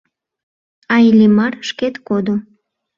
А Иллимар шкет кодо.